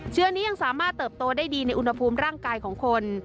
เชื้อนี้ยังสามารถเติบโตได้ดีในอุณหภูมิร่างกายของคน